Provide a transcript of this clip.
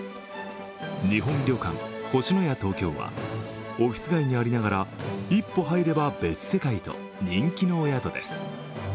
日本旅館・星のや東京はオフィス街にありながら一歩入れば別世界と人気のお宿です。